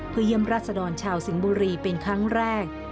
เพื่อเยี่ยมราชดรชาวสิงห์บุรีเป็นครั้งแรก